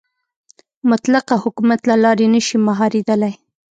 مطلقه حکومت له لارې نه شي مهارېدلی.